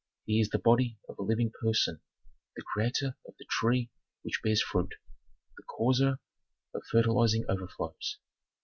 He is the body of a living person, the creator of the tree which bears fruit, the causer of fertilizing overflows.